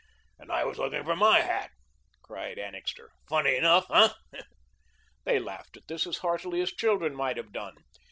"And I was looking for my hat," cried Annixter. "Funny enough, hey?" They laughed at this as heartily as children might have done.